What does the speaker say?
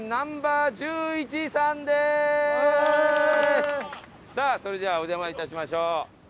まずはさあそれではお邪魔致しましょう。